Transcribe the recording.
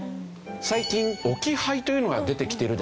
最近置き配というのが出てきてるでしょ。